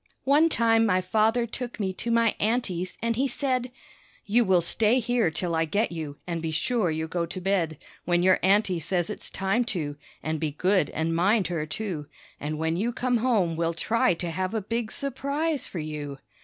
One time my father took me to my aunty's, an' he said: "You will stay here till I get you, an' be sure you go to bed When your aunty says it's time to, an' be good an' mind her, too, An' when you come home we'll try to have a big surprise for you."